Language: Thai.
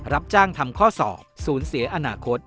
รับจ้างทำข้อสอบศูนย์เสียอนาคต